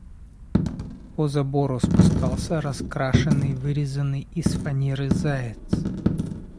По забору спускался раскрашенный, вырезанный из фанеры заяц.